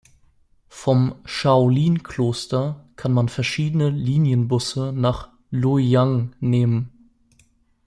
Vom Shaolin-Kloster kann man verschiedene Linienbusse nach Luoyang nehmen.